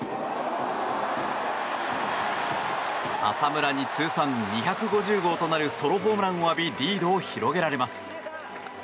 浅村に通算２５０号となるソロホームランを浴びリードを広げられます。